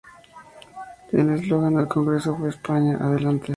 El eslogan del Congreso fue "España, adelante".